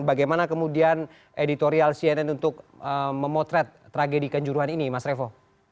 bagaimana kemudian editorial cnn untuk memotret tragedi kanjuruhan ini mas revo